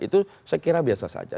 itu saya kira biasa saja